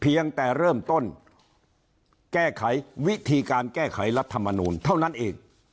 เพียงแต่เริ่มต้นแก้ไขวิธีการแก้ไขรัฐมนูลเท่านั้นเอง